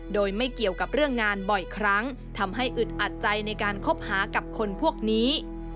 โดยไม่เกี่ยวกับเรื่องงานบ่อยครั้งทำให้อึดอัดใจในการคบหากับคนพวกนี้